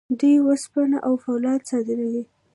دوی وسپنه او فولاد صادروي.